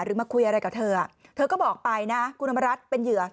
มาคุยอะไรกับเธอเธอก็บอกไปนะคุณอำมารัฐเป็นเหยื่อ